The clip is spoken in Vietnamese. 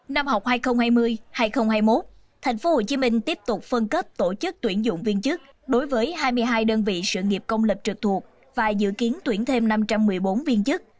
năm học hai nghìn hai mươi hai nghìn hai mươi một tp hcm tiếp tục phân cấp tổ chức tuyển dụng viên chức đối với hai mươi hai đơn vị sự nghiệp công lập trực thuộc và dự kiến tuyển thêm năm trăm một mươi bốn viên chức